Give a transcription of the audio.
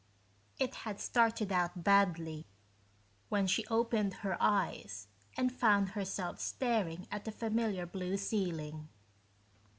It had started out badly when she opened her eyes and found herself staring at a familiar blue ceiling.